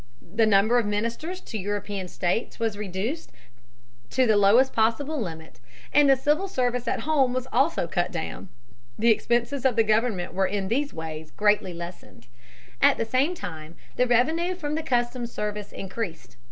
The number of ministers to European states was reduced to the lowest possible limit, and the civil service at home was also cut down. The expenses of the government were in these ways greatly lessened. At the same time the revenue from the customs service increased.